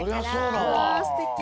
うわすてき。